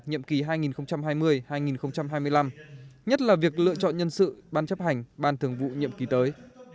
nhiệm kỳ hai nghìn hai mươi hai nghìn hai mươi năm nhất là việc lựa chọn nhân sự ban chấp hành ban thường vụ nhiệm kỳ tới